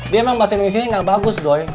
dia emang bahasa indonesia nya gak bagus doi